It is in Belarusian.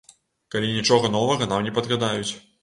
Калі нічога новага нам не падгадаюць.